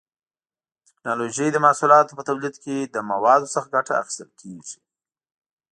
د ټېکنالوجۍ د محصولاتو په تولید کې له موادو څخه ګټه اخیستل کېږي.